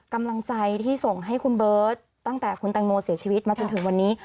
กำลังใจที่ส่งให้คุณเบิร์ตตั้งแต่คุณแตงโมเสียชีวิตมาจนถึงวันนี้